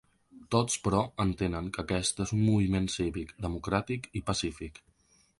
Tots, però, entenen que aquest és un moviment cívic, democràtic i pacífic.